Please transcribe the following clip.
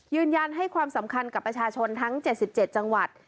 ยืนยันให้ความสำคัญกับประชาชนทั้ง๗๗จังหวัด